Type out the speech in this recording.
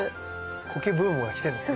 コケブームが来てるんですか？